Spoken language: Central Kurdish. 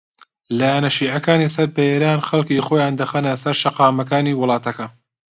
لایەنە شیعەکانی سەر بە ئێران خەڵکی خۆیان دەخەنە سەر شەقامەکانی وڵاتەکە